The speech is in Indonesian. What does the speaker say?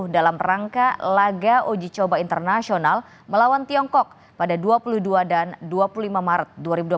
dalam rangka laga uji coba internasional melawan tiongkok pada dua puluh dua dan dua puluh lima maret dua ribu dua puluh